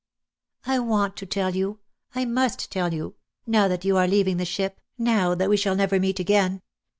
"I want to tell you! I must tell you: now that you are leaving the ship, now that we shall never meet again.